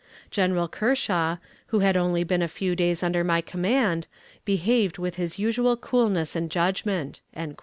General Kershaw, who had only been a few days under my command, behaved with his usual coolness and judgment."